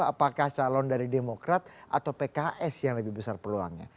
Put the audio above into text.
apakah calon dari demokrat atau pks yang lebih besar peluangnya